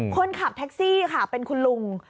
คนขับแท็กซี่ค่ะเป็นคุณลุง